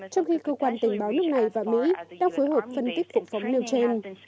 trong khi cơ quan tình báo nước này và mỹ đang phối hợp phân tích vụ phóng nêu trên